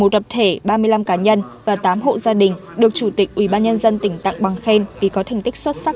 một mươi tập thể ba mươi năm cá nhân và tám hộ gia đình được chủ tịch ubnd tỉnh tặng bằng khen vì có thành tích xuất sắc